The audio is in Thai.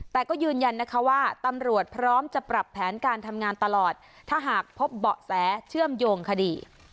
แต่ก็ยืนยันนะคะว่าตำรวจพร้อมจะปรับแผนการทำงานตลอดถ้าหากพบเบาะแสเชื่อมโยงคดี